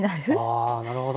あなるほど。